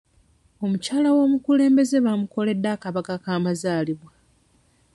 Omukyala w'omukulembeze baamukoledde akabaga k'amazaalibwa.